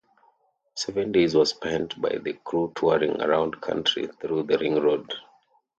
Seven days were spent by the crew touring around country through the Ring Road.